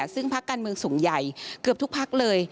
ซึ่งพักการเมืองส่วนใหญ่เกือบทุกพักเลย